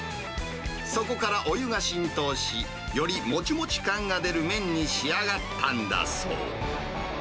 そこからお湯が浸透し、よりもちもち感が出る麺に仕上がったんだそう。